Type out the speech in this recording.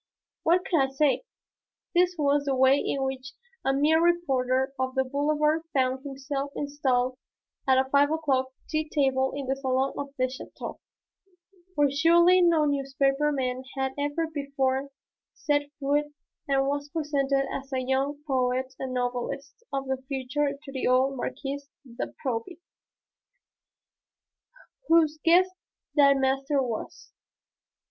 What could I say? This was the way in which a mere reporter on the Boulevard found himself installed at a five o'clock tea table in the salon of a château, where surely no newspaper man had ever before set foot and was presented as a young poet and novelist of the future to the old Marquise de Proby, whose guest the master was.